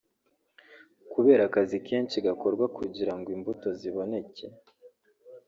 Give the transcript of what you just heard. kubera akazi kenshi gakorwa kugira ngo imbuto ziboneke